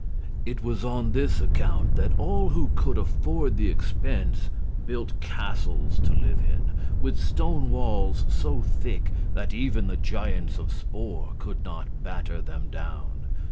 It was on this account that all who could afford the expense built castles to live in, with stone walls so thick that even the giants of Spor could not batter them down.